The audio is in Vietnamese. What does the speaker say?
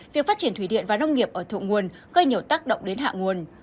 việc phát triển thủy điện và nông nghiệp ở thượng nguồn gây nhiều tác động đến hạ nguồn